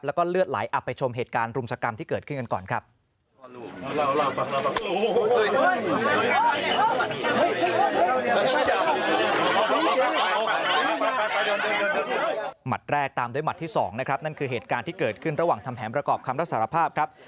แล้วก็เลือดไหลอับไปชมเหตุการณ์รุมสกรรมที่เกิดขึ้นกันก่อนครับ